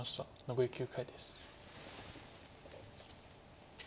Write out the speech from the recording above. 残り９回です。